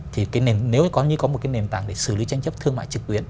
thì nếu có như có một cái nền tảng để xử lý tranh chấp thương mại trực tuyến